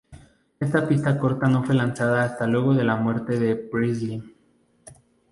Esta pista corta no fue lanzada hasta luego de la muerte de Presley.